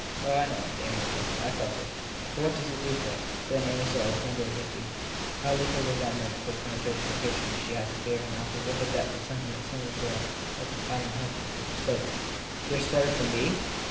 Oh, I know it, Amy returned I ve felt it. But what does it do for us ? she asked. Then Susan saw, with wonder and pity, how little resent ment for penetration or patronage she had had to fear and out of what a depth of sentiment similar to her own her compan ion helplessly spoke. You re sorry for me